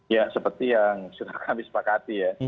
ya seperti yang sudah kami sepakati ya